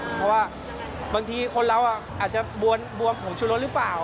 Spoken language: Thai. เพราะว่าบางทีคนเราอาจจะบวมผงชูรสหรือเปล่า